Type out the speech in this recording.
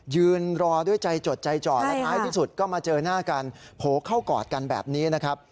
ยืนรอด้วยใจจดใจจ่อและท้ายที่สุดก็มาเจอหน้ากันโผล่เข้ากอดกันแบบนี้นะครับ